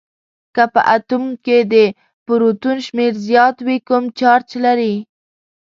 که په اتوم کې د پروتون شمیر زیات وي کوم چارج لري؟